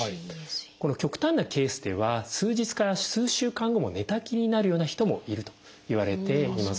この極端なケースでは数日から数週間後も寝たきりになるような人もいるといわれています。